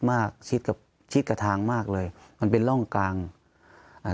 ชิดกับชิดกับทางมากเลยมันเป็นร่องกลางอ่า